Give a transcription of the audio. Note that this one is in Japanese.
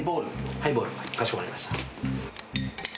ハイボールかしこまりました。